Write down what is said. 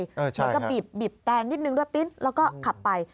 แล้วก็บีบแตนนิดนึงด้วยปิ๊นแล้วก็ขับไป